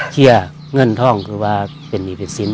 เชี่ยเงินท่องเป็นอีเพศสิน